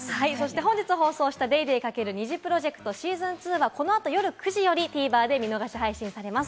本日放送した『ＤａｙＤａｙ．×ＮｉｚｉＰｒｏｊｅｃｔＳｅａｓｏｎ２』はこのあと夜９時よりＴＶｅｒで見逃し配信されます。